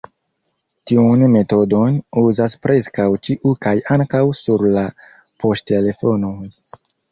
Tiun metodon uzas preskaŭ ĉiu kaj ankaŭ sur la poŝtelefonoj.